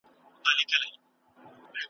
اور د میني بل نه وي بورا نه وي ,